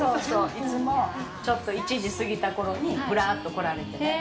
いつも、ちょっと１時過ぎたころにぶらっと来られてね。